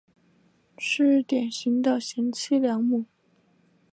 是典型的贤妻良母。